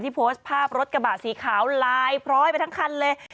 โพสต์ภาพรถกระบะสีขาวลายพร้อยไปทั้งคันเลย